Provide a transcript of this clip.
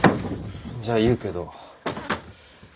じゃあ言うけど。